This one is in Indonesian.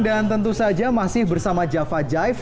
dan tentu saja masih bersama java jaif